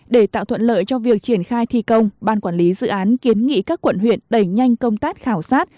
để tạo thuận lợi cho việc triển khai thi công ban quản lý dự án kiến nghị các quận huyện đẩy nhanh công tác khảo sát